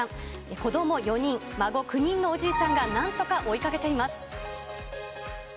子ども４人、孫９人のおじいちゃんがなんとか追いかけています。